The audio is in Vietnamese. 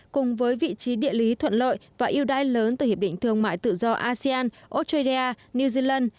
cùng với vị trí địa lý thuận lợi và yêu đái lớn từ hiệp định thương mại tự do asean australia new zealand